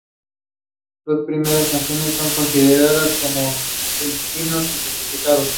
Las dos primeras canciones son consideradas como sus himnos identificativos.